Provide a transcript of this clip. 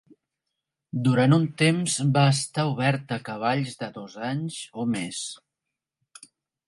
Durant un temps va estar obert a cavalls de dos anys o més.